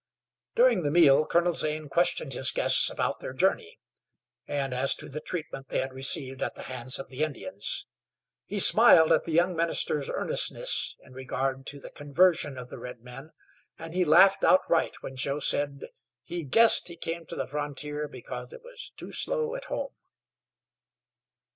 During the meal Colonel Zane questioned his guests about their journey, and as to the treatment they had received at the hands of the Indians. He smiled at the young minister's earnestness in regard to the conversion of the redmen, and he laughed outright when Joe said "he guessed he came to the frontier because it was too slow at home."